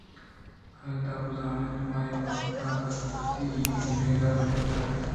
حُدا بزانت من اے بابت ءَ کدی پگر نہ کُتگ اَت